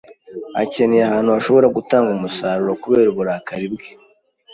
Akeneye ahantu hashobora gutanga umusaruro kubera uburakari bwe.